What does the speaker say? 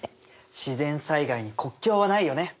自然災害に国境はないよね！